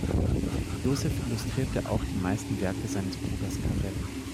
Josef illustrierte auch die meisten Werke seines Bruders Karel.